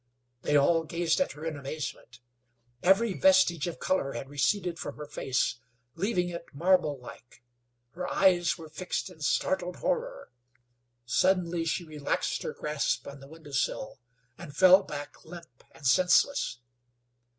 They all gazed at her in amazement. Every vestige of color had receded from her face, leaving it marblelike. Her eves were fixed in startled horror. Suddenly she relaxed her grasp on the windowsill and fell back limp and senseless.